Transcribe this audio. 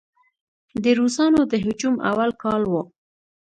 د روسانو د هجوم اول کال و.